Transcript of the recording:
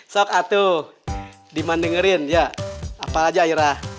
sok atuh dimandengerin iya apa aja irah